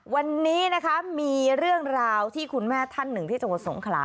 วันนี้นะคะมีเรื่องราวที่คุณแม่ท่านหนึ่งที่จังหวัดสงขลา